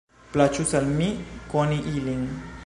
Plaĉus al mi koni ilin.